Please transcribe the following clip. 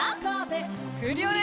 クリオネ！